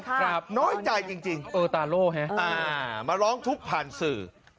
ครับน้อยจ่ายจริงมาร้องทุกข์ผ่านสื่อ